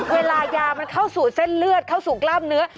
เวลายามันเข้าสู่เส้นเลือดเข้าสู่กล้ามเนื้อ